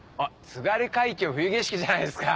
『津軽海峡冬景色』じゃないですか。